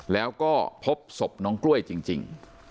แล้วก็พบศพน้องกล้วยจริง